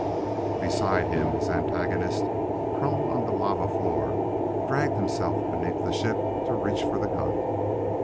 Beside him, his antagonist, prone on the lava floor, dragged himself beneath the ship to reach for the gun.